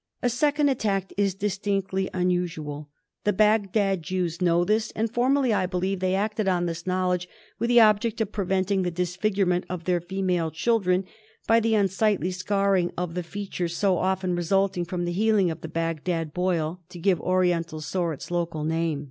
A second attack is distinctly unusual. The Bagdad Jews know this, and formerly, I believe, they acted on this knowledge with the object ot preventing the disfigurement of their female children by the un sightly scarring of the features so often resulting from the healing of the Bagdad boil — to give Oriental Sore its local name.